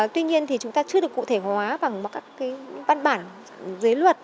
tuy nhiên thì chúng ta chưa được cụ thể hóa bằng các cái văn bản dưới luật